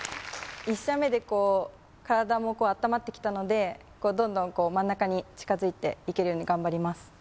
１射目でこう体も温まってきたのでこうどんどんこう真ん中に近づいていけるように頑張ります